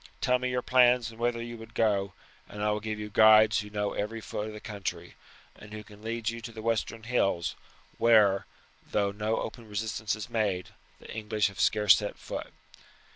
Tell me your plans and whither you would go; and I will give you guides who know every foot of the country, and who can lead you to the western hills, where, though no open resistance is made, the English have scarce set foot.